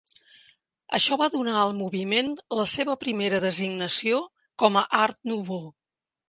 Això va donar al moviment la seva primera designació com a Art Nouveau.